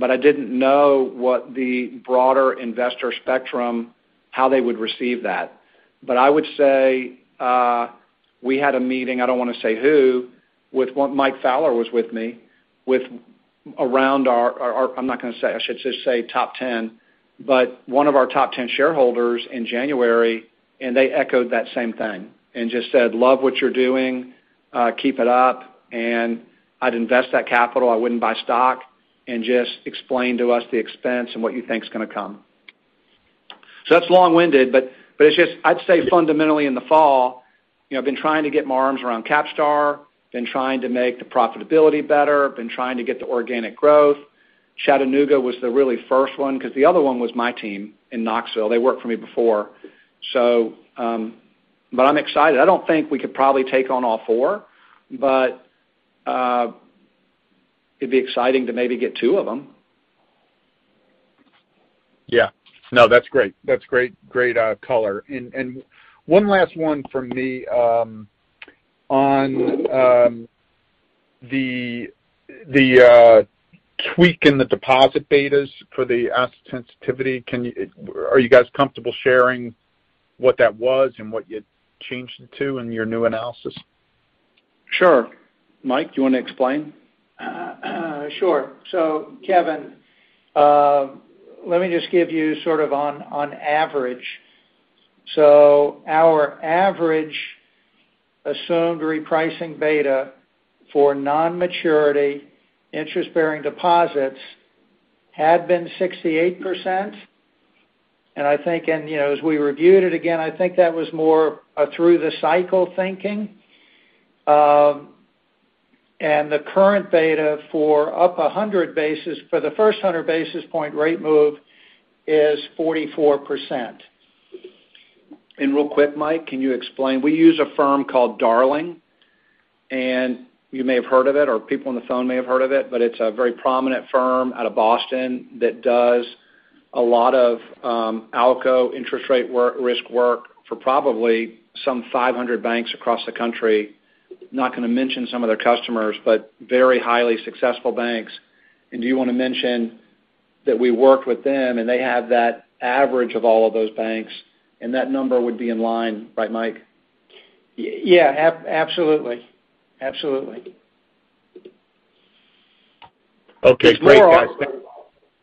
I didn't know what the broader investor spectrum, how they would receive that. I would say we had a meeting, I don't wanna say who, Mike Fowler was with me, with one of our. I'm not gonna say. I should just say top 10. One of our top 10 shareholders in January, and they echoed that same thing and just said, "Love what you're doing. Keep it up. I'd invest that capital. I wouldn't buy stock. Just explain to us the expense and what you think is gonna come." That's long-winded, but it's just. I'd say fundamentally in the fall, you know, I've been trying to get my arms around CapStar, been trying to make the profitability better, been trying to get the organic growth. Chattanooga was the really first one because the other one was my team in Knoxville. They worked for me before. I'm excited. I don't think we could probably take on all four, but it'd be exciting to maybe get two of them. Yeah. No, that's great. Great color. One last one from me on the tweak in the deposit betas for the asset sensitivity. Are you guys comfortable sharing what that was and what you changed it to in your new analysis? Sure. Mike, you want to explain? Kevin, let me just give you sort of on average. Our average assumed repricing beta for non-maturity interest-bearing deposits had been 68%. I think, you know, as we reviewed it again, I think that was more a through the cycle thinking. The current beta for up a 100 basis points, for the first 100 basis point rate move is 44%. Real quick, Mike, can you explain, we use a firm called Darling, and you may have heard of it or people on the phone may have heard of it, but it's a very prominent firm out of Boston that does a lot of ALCO interest rate work, risk work for probably some 500 banks across the country. Not gonna mention some of their customers, but very highly successful banks. Do you wanna mention that we worked with them and they have that average of all of those banks, and that number would be in line, right, Mike? Yeah. Absolutely. Absolutely. Okay. Great, guys.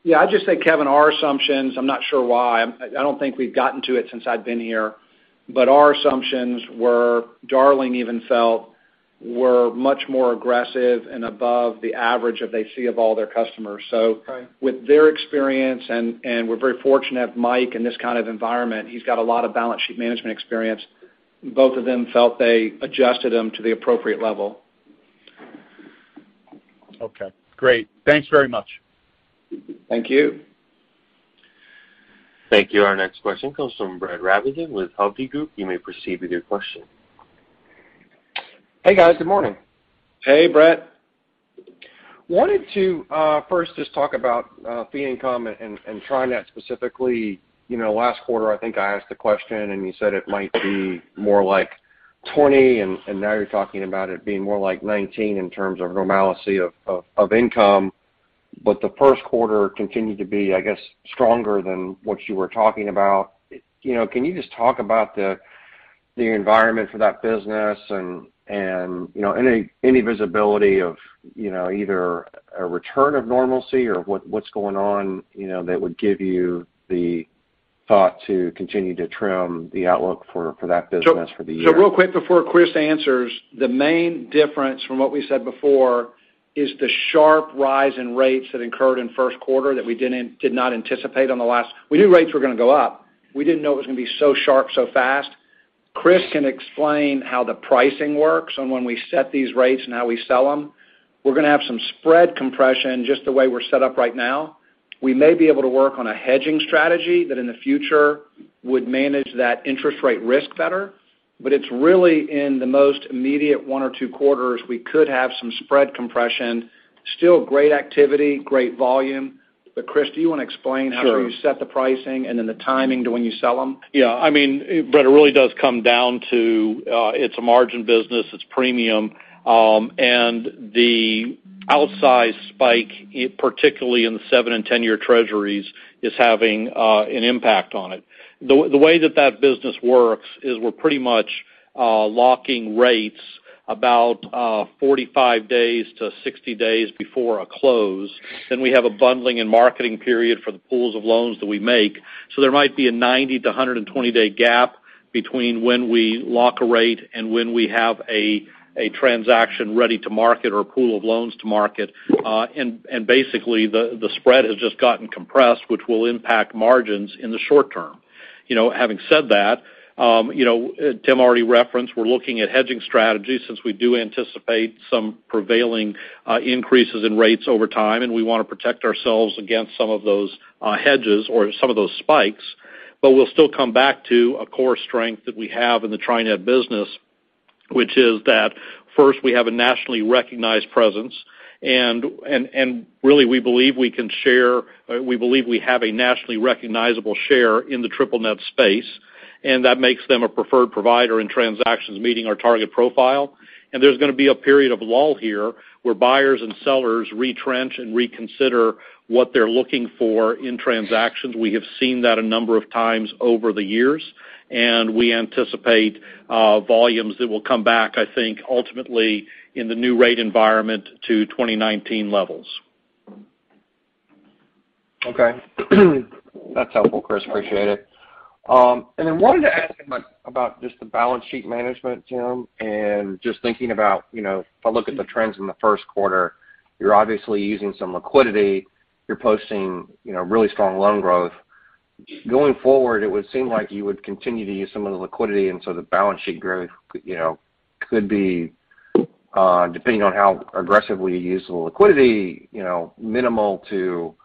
Yeah. I'd just say, Kevin, our assumptions, I'm not sure why, I don't think we've gotten to it since I've been here, but our assumptions were, Darling even felt, were much more aggressive and above the average that they see of all their customers. Okay. With their experience and we're very fortunate to have Mike in this kind of environment. He's got a lot of balance sheet management experience. Both of them felt they adjusted them to the appropriate level. Okay. Great. Thanks very much. Thank you. Thank you. Our next question comes from Brett Rabatin with Hovde Group. You may proceed with your question. Hey, guys. Good morning. Hey, Brett. wanted to first just talk about fee income and Tri-Net specifically. You know, last quarter, I think I asked the question and you said it might be more like 20, and now you're talking about it being more like 19 in terms of normalcy of income. The first quarter continued to be, I guess, stronger than what you were talking about. You know, can you just talk about the environment for that business and, you know, any visibility of, you know, either a return of normalcy or what's going on, you know, that would give you the thought to continue to trim the outlook for that business for the year? Real quick before Chris answers, the main difference from what we said before is the sharp rise in rates that occurred in first quarter that we did not anticipate on the last. We knew rates were gonna go up. We didn't know it was gonna be so sharp, so fast. Chris can explain how the pricing works and when we set these rates and how we sell them. We're gonna have some spread compression just the way we're set up right now. We may be able to work on a hedging strategy that in the future would manage that interest rate risk better. It's really in the most immediate one or two quarters, we could have some spread compression. Still great activity, great volume. Chris, do you want to explain? Sure. How you set the pricing and then the timing to when you sell them? Yeah. I mean, Brett, it really does come down to, it's a margin business, it's premium. The outsized spike, particularly in the seven- and 10-year Treasuries, is having an impact on it. The way that business works is we're pretty much locking rates about 45-60 days before a close. We have a bundling and marketing period for the pools of loans that we make. There might be a 90-120-day gap between when we lock a rate and when we have a transaction ready to market or a pool of loans to market. Basically, the spread has just gotten compressed, which will impact margins in the short term. You know, having said that, you know, Tim already referenced, we're looking at hedging strategies since we do anticipate some prevailing increases in rates over time, and we wanna protect ourselves against some of those hedges or some of those spikes. But we'll still come back to a core strength that we have in the Tri-Net business, which is that, first, we have a nationally recognized presence. Really, we believe we have a nationally recognizable share in the triple net space, and that makes them a preferred provider in transactions meeting our target profile. There's gonna be a period of lull here, where buyers and sellers retrench and reconsider what they're looking for in transactions. We have seen that a number of times over the years, and we anticipate volumes that will come back, I think, ultimately in the new rate environment to 2019 levels. Okay. That's helpful, Chris. Appreciate it. Wanted to ask about just the balance sheet management, Tim, and just thinking about, you know, if I look at the trends in the first quarter, you're obviously using some liquidity. You're posting, you know, really strong loan growth. Going forward, it would seem like you would continue to use some of the liquidity, and so the balance sheet growth, you know, could be, depending on how aggressively you use the liquidity, you know, minimal to,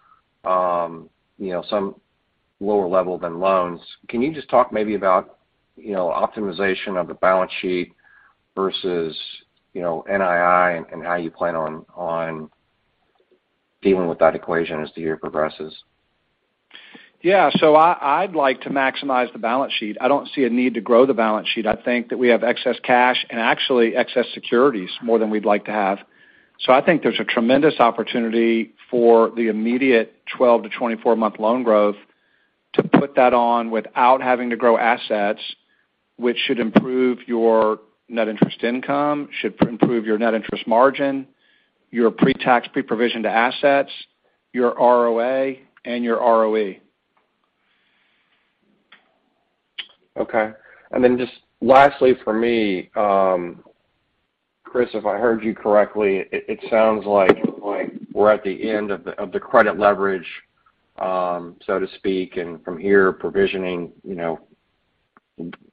you know, some lower level than loans. Can you just talk maybe about, you know, optimization of the balance sheet versus, you know, NII and how you plan on dealing with that equation as the year progresses? Yeah. I'd like to maximize the balance sheet. I don't see a need to grow the balance sheet. I think that we have excess cash and actually excess securities more than we'd like to have. I think there's a tremendous opportunity for the immediate 12 to 24-month loan growth to put that on without having to grow assets, which should improve your net interest income, should improve your net interest margin, your pre-tax, pre-provision to assets, your ROA and your ROE. Okay. Just lastly for me, Chris, if I heard you correctly, it sounds like we're at the end of the credit leverage, so to speak, and from here provisioning, you know,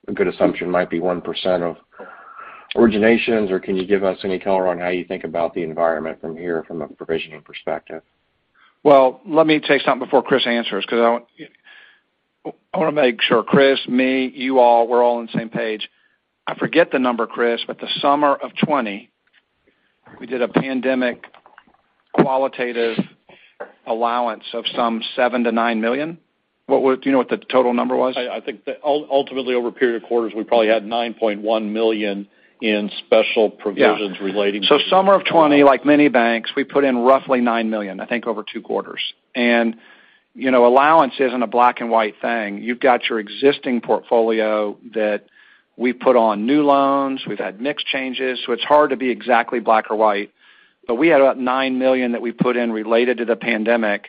a good assumption might be 1% of originations. Can you give us any color on how you think about the environment from here from a provisioning perspective? Well, let me say something before Chris answers because I wanna make sure Chris, me, you all, we're all on the same page. I forget the number, Chris, but the summer of 2020, we did a pandemic qualitative allowance of some $7 million-$9 million. Do you know what the total number was? I think ultimately over a period of quarters, we probably had $9.1 million in special Yeah Provisions relating to Summer of 2020, like many banks, we put in roughly $9 million, I think, over two quarters. You know, allowance isn't a black-and-white thing. You've got your existing portfolio that we put on new loans. We've had mix changes, so it's hard to be exactly black or white. We had about $9 million that we put in related to the pandemic.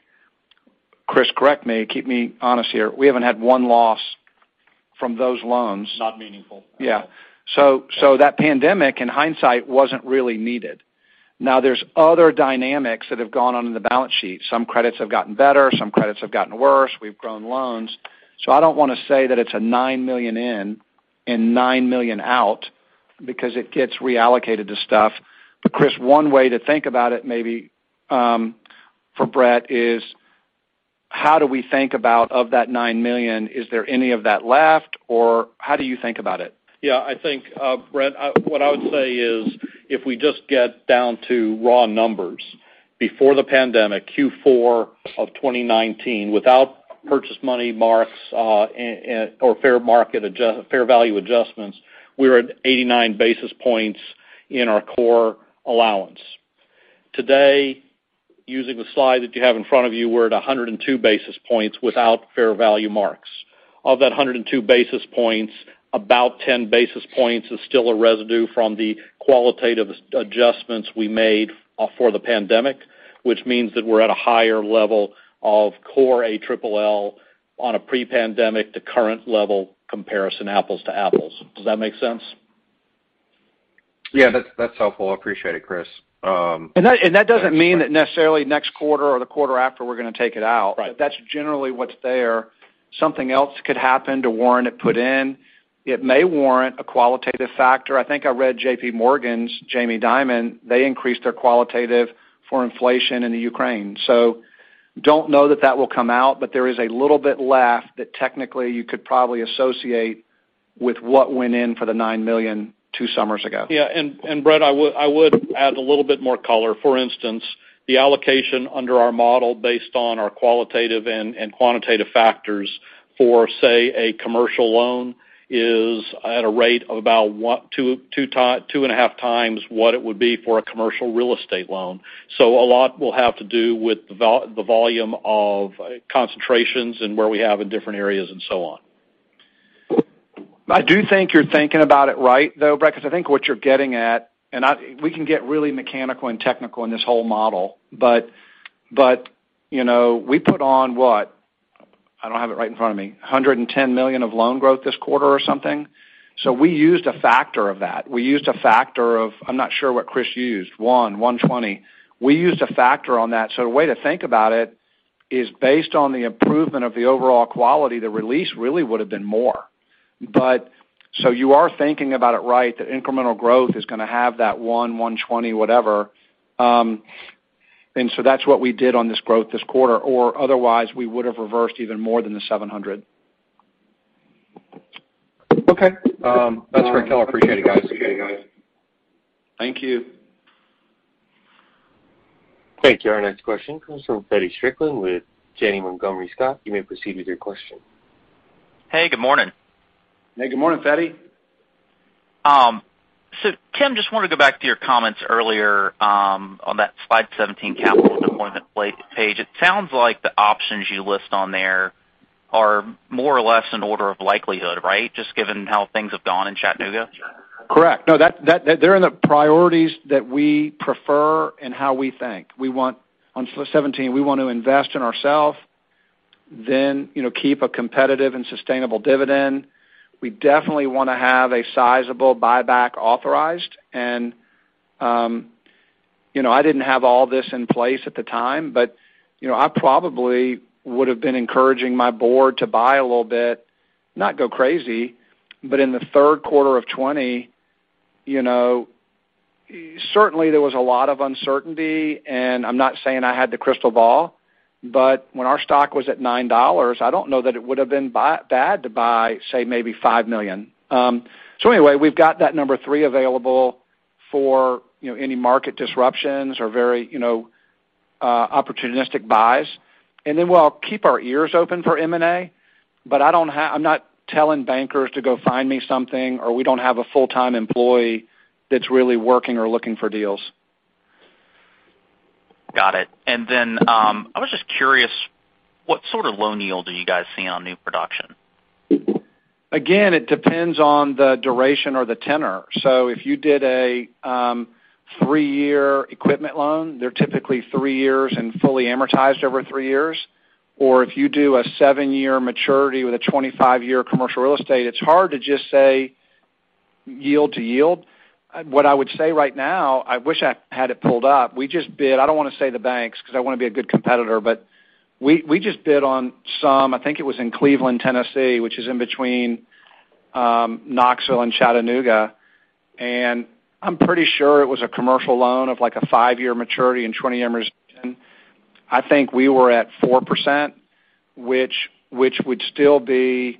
Chris, correct me, keep me honest here. We haven't had one loss from those loans. Not meaningful. Yeah. That pandemic, in hindsight, wasn't really needed. Now there's other dynamics that have gone on in the balance sheet. Some credits have gotten better, some credits have gotten worse. We've grown loans. I don't wanna say that it's a $9 million in and $9 million out because it gets reallocated to stuff. But Chris, one way to think about it, maybe, for Brett is how do we think about of that $9 million? Is there any of that left, or how do you think about it? Yeah, I think, Brett, what I would say is if we just get down to raw numbers before the pandemic, Q4 of 2019 without purchase accounting marks or fair value adjustments, we were at 89 basis points in our core allowance. Today, using the slide that you have in front of you, we're at 102 basis points without fair value marks. Of that 102 basis points, about 10 basis points is still a residue from the qualitative adjustments we made for the pandemic, which means that we're at a higher level of core ALL on a pre-pandemic to current level comparison, apples to apples. Does that make sense? Yeah. That's helpful. I appreciate it, Chris. That doesn't mean that necessarily next quarter or the quarter after we're gonna take it out. Right. That's generally what's there. Something else could happen to warrant it put in. It may warrant a qualitative factor. I think I read JPMorgan's Jamie Dimon, they increased their qualitative for inflation in the Ukraine. Don't know that that will come out, but there is a little bit left that technically you could probably associate with what went in for the $9 million two summers ago. Yeah. Brett, I would add a little bit more color. For instance, the allocation under our model based on our qualitative and quantitative factors for, say, a commercial loan is at a rate of about 2.5 times what it would be for a commercial real estate loan. A lot will have to do with the volume of concentrations and where we have in different areas and so on. I do think you're thinking about it right, though, Brett, because I think what you're getting at, and we can get really mechanical and technical in this whole model. You know, we put on, what? I don't have it right in front of me, $110 million of loan growth this quarter or something. We used a factor of that. We used a factor of. I'm not sure what Chris used, 1.20. We used a factor on that. The way to think about it is based on the improvement of the overall quality, the release really would have been more. You are thinking about it right, that incremental growth is gonna have that 1.20, whatever. That's what we did on this growth this quarter, or otherwise, we would have reversed even more than $700. Okay. That's very clear. Appreciate it, guys. Thank you. Thank you. Our next question comes from Feddie Strickland with Janney Montgomery Scott. You may proceed with your question. Hey, good morning. Hey, good morning, Feddie. Tim, just wanna go back to your comments earlier, on that slide 17 capital deployment plan page. It sounds like the options you list on there are more or less in order of likelihood, right? Just given how things have gone in Chattanooga. Correct. No, that they're in the priorities that we prefer and how we think. We want on slide 17 to invest in ourselves, then, you know, keep a competitive and sustainable dividend. We definitely wanna have a sizable buyback authorized. You know, I didn't have all this in place at the time, but, you know, I probably would have been encouraging my board to buy a little bit, not go crazy. In the third quarter of 2020, you know, certainly there was a lot of uncertainty, and I'm not saying I had the crystal ball, but when our stock was at $9, I don't know that it would have been bad to buy, say, maybe $5 million. So anyway, we've got that number three available for, you know, any market disruptions or very, you know, opportunistic buys. We'll keep our ears open for M&A, but I'm not telling bankers to go find me something, or we don't have a full-time employee that's really working or looking for deals. Got it. I was just curious, what sort of loan yield are you guys seeing on new production? Again, it depends on the duration or the tenor. If you did a three-year equipment loan, they're typically three years and fully amortized over three years. If you do a seven year maturity with a 25-year commercial real estate, it's hard to just say yield to yield. What I would say right now, I wish I had it pulled up. We just bid. I don't wanna say the banks because I wanna be a good competitor, but we just bid on some. I think it was in Cleveland, Tennessee, which is in between Knoxville and Chattanooga. I'm pretty sure it was a commercial loan of, like, a five year maturity and 20 amortization. I think we were at 4%, which would still be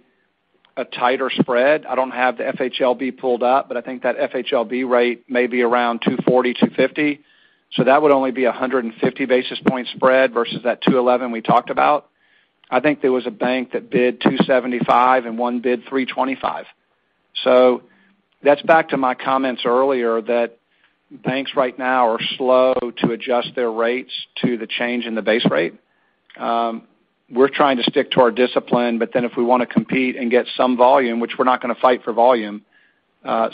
a tighter spread. I don't have the FHLB pulled up, but I think that FHLB rate may be around 2.40-2.50%. That would only be a 150 basis point spread versus that 2.11 we talked about. I think there was a bank that bid 2.75 and one bid 3.25. That's back to my comments earlier that banks right now are slow to adjust their rates to the change in the base rate. We're trying to stick to our discipline, but then if we wanna compete and get some volume, which we're not gonna fight for volume,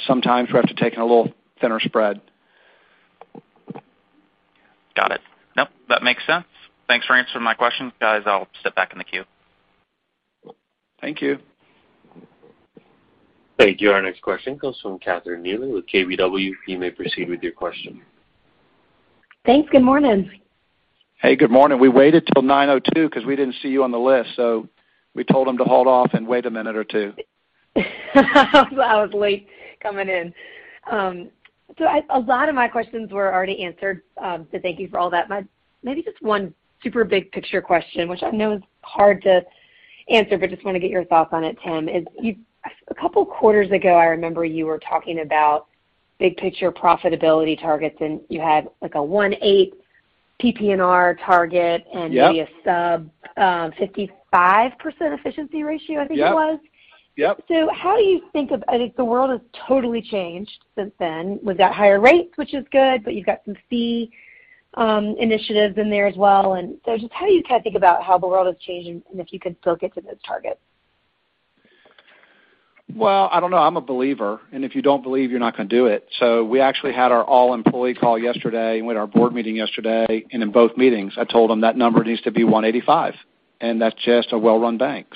sometimes we have to take in a little thinner spread. Got it. Nope, that makes sense. Thanks for answering my question, guys. I'll step back in the queue. Thank you. Thank you. Our next question comes from Catherine Mealor with KBW. You may proceed with your question. Thanks. Good morning. Hey, good morning. We waited till 9:02 A.M. 'cause we didn't see you on the list, so we told them to hold off and wait a minute or two. I was late coming in. A lot of my questions were already answered, so thank you for all that. Maybe just one super big picture question, which I know is hard to answer, but just wanna get your thoughts on it, Tim. A couple quarters ago, I remember you were talking about big picture profitability targets, and you had, like, a 18 PPNR target- Yep. Maybe a sub-55% efficiency ratio, I think it was. Yep. Yep. I think the world has totally changed since then. We've got higher rates, which is good, but you've got some fee initiatives in there as well. Just how do you kinda think about how the world has changed and if you could still get to those targets? Well, I don't know. I'm a believer, and if you don't believe, you're not gonna do it. We actually had our all-employee call yesterday. We had our board meeting yesterday. In both meetings, I told them that number needs to be 185, and that's just a well-run bank.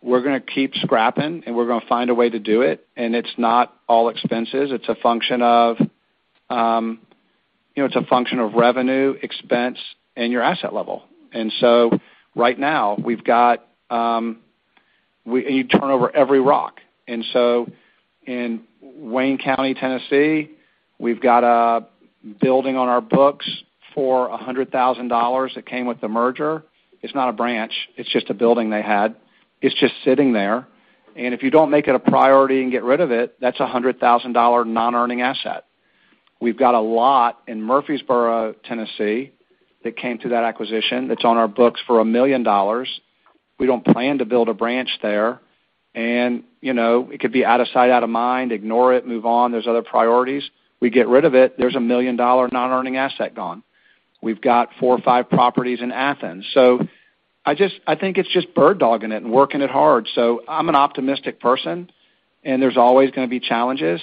We're gonna keep scrapping, and we're gonna find a way to do it. It's not all expenses. It's a function of, you know, revenue, expense, and your asset level. Right now we've got, you turn over every rock. In Wayne County, Tennessee, we've got a building on our books for $100,000 that came with the merger. It's not a branch. It's just a building they had. It's just sitting there. If you don't make it a priority and get rid of it, that's a $100,000 non-earning asset. We've got a lot in Murfreesboro, Tennessee, that came through that acquisition that's on our books for $1 million. We don't plan to build a branch there. You know, it could be out of sight, out of mind, ignore it, move on. There's other priorities. We get rid of it, there's a $1 million non-earning asset gone. We've got four or five properties in Athens. I think it's just bird-dogging it and working it hard. I'm an optimistic person, and there's always gonna be challenges.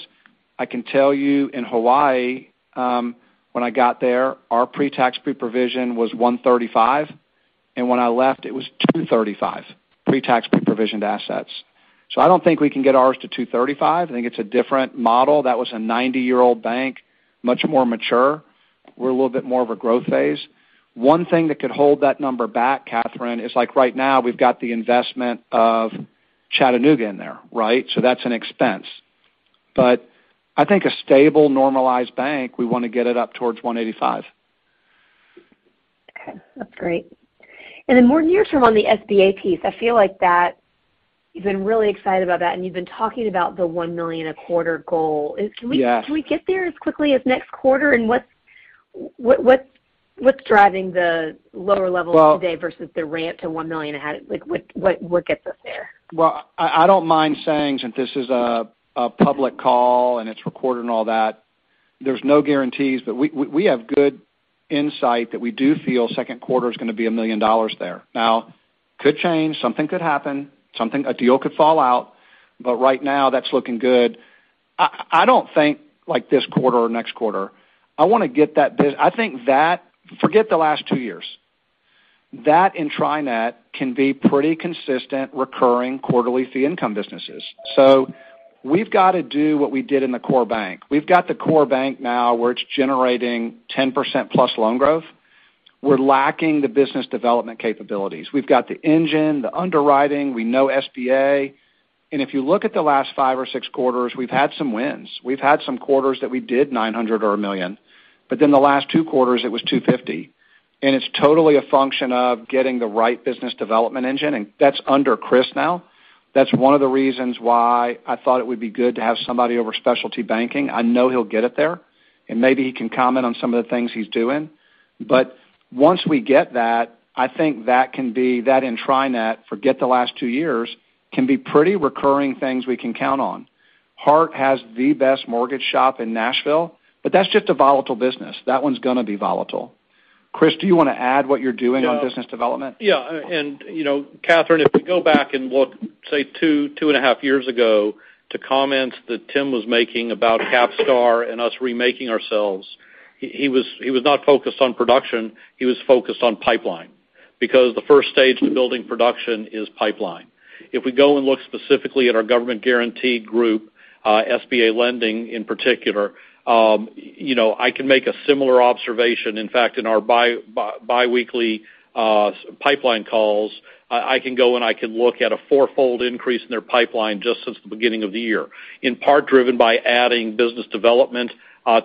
I can tell you, in Hawaii, when I got there, our pre-tax, pre-provision was 135, and when I left, it was 235 pre-tax, pre-provision assets. I don't think we can get ours to 235. I think it's a different model. That was a 90-year-old bank, much more mature. We're a little bit more of a growth phase. One thing that could hold that number back, Catherine, is, like, right now we've got the investment in Chattanooga in there, right? So that's an expense. I think a stable, normalized bank, we wanna get it up towards 185. Okay. That's great. More near term on the SBA piece, I feel like that you've been really excited about that, and you've been talking about the $1 million a quarter goal. Is- Yeah. Can we get there as quickly as next quarter? What's driving the lower levels today- Well- Versus the ramp to 1 million ahead? Like, what gets us there? Well, I don't mind saying since this is a public call and it's recorded and all that, there's no guarantees, but we have good insight that we do feel second quarter is gonna be $1 million there. Now, could change, something could happen, a deal could fall out, but right now that's looking good. I don't think, like, this quarter or next quarter. I think that. Forget the last two years. That and Tri-Net can be pretty consistent recurring quarterly fee income businesses. We've got to do what we did in the core bank. We've got the core bank now where it's generating 10%+ loan growth. We're lacking the business development capabilities. We've got the engine, the underwriting. We know SBA. If you look at the last five or six quarters, we've had some wins. We've had some quarters that we did $900 or $1 million, but then the last two quarters it was $250. It's totally a function of getting the right business development engine, and that's under Chris now. That's one of the reasons why I thought it would be good to have somebody over specialty banking. I know he'll get it there, and maybe he can comment on some of the things he's doing. Once we get that, I think that can be that in TriNet, forget the last two years, can be pretty recurring things we can count on. Hart has the best mortgage shop in Nashville, but that's just a volatile business. That one's gonna be volatile. Chris, do you wanna add what you're doing on business development? Yeah. You know, Catherine, if we go back and look, say, two and a half years ago to comments that Tim was making about CapStar and us remaking ourselves, he was not focused on production, he was focused on pipeline because the first stage to building production is pipeline. If we go and look specifically at our government guaranteed group, SBA lending in particular, I can make a similar observation. In fact, in our bi-weekly SBA pipeline calls, I can go and I can look at a four-fold increase in their pipeline just since the beginning of the year, in part driven by adding business development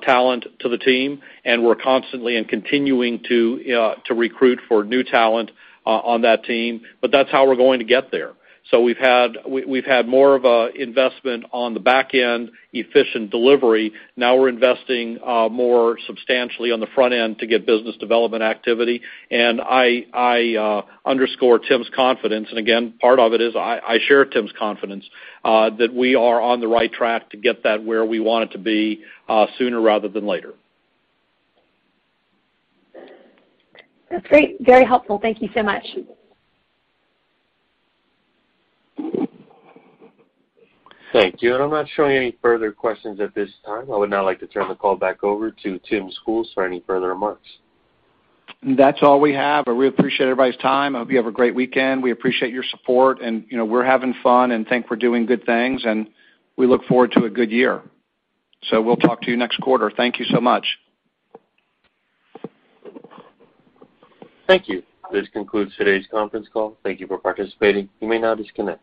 talent to the team, and we're constantly and continuing to recruit for new talent on that team, but that's how we're going to get there. We've had more of a investment on the back end, efficient delivery. Now we're investing more substantially on the front end to get business development activity. I underscore Tim's confidence. Again, part of it is I share Tim's confidence that we are on the right track to get that where we want it to be sooner rather than later. That's great. Very helpful. Thank you so much. Thank you. I'm not showing any further questions at this time. I would now like to turn the call back over to Tim Schools for any further remarks. That's all we have. I really appreciate everybody's time. I hope you have a great weekend. We appreciate your support and, you know, we're having fun and think we're doing good things, and we look forward to a good year. We'll talk to you next quarter. Thank you so much. Thank you. This concludes today's conference call. Thank you for participating. You may now disconnect.